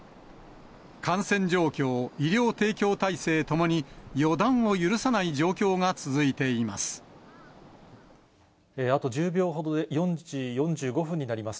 感染状況、医療提供体制ともに予断を許さない状況が続いています。